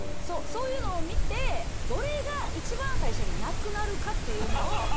そういうのを見てどれが一番最初になくなるかっていうのを。